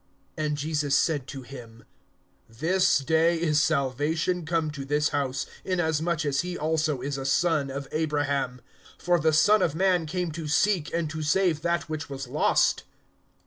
(9)And Jesus said to him: This day is salvation come to this house, inasmuch as he also is a son of Abraham. (10)For the Son of man came to seek and to save that which was lost.